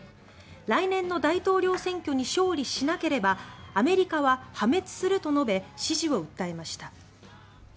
来年の大統領選挙に勝利しなければアメリカは破滅すると述べ支持を訴えました。